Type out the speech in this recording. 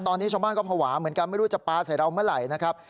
ตอนนี้ชาวบ้านก็ภาวะเหมือนกันไม่รู้จะปลาใส่เราเมื่อไหร่นะครับ